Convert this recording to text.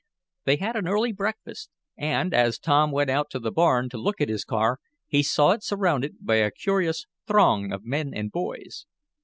They had an early breakfast, and, as Tom went out to the barn to look at his car, he saw it surrounded by a curious throng of men and boys.